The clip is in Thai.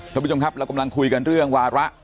ท่านผู้ชมครับเรากำลังคุยกันเรื่องวาระ